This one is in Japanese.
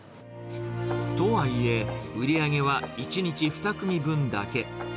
とはいえ、売り上げは１日２組分だけ。